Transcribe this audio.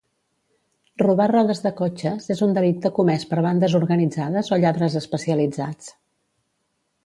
Robar rodes de cotxes és un delicte comès per bandes organitzades o lladres especialitzats